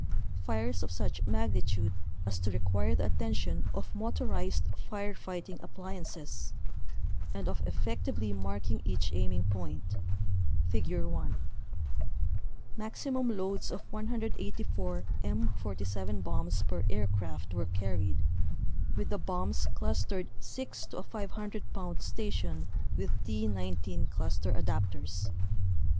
fires of such magnitude as to require the attention of motorized fire fighting appliances) and of effec tively marking each aiming point (Figure 1). Maximum loads of 184 M47 bombs per aircraft were carried, with the bombs clustered six to a 500 pound station with T19 cluster adapters.